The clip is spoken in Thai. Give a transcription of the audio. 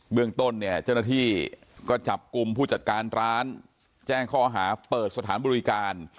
เรื่องต้นเนี่ยเจ้าหน้าที่ก็จับกลุ่มผู้จัดการร้านแจ้งข้อหาเปิดสถานบริการ